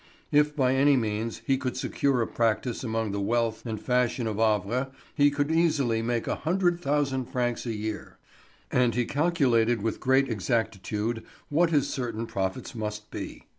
If by any means he could secure a practice among the wealth and fashion of Havre, he could easily make a hundred thousand francs a year. And he calculated with great exactitude what his certain profits must be.